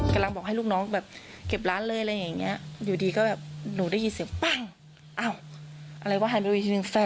มันไปแล้วถูกไหมอันนี้มันวิ่งตาม